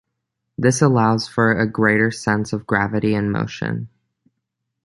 This allows for a greater sense of gravity and motion.